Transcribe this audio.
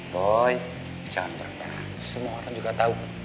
boy jangan beranggah semua orang juga tahu